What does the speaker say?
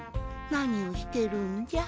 なにをしてるんじゃ？